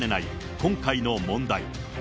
今回の問題。